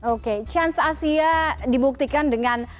oke chance asia dibuktikan dengan